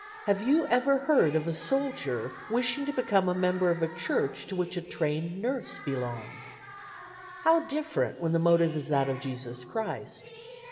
Have you ever heard of a soldier wishing to become a member of a church to which a trained nurse belonged? How different when the motive is that of Jesus Christ.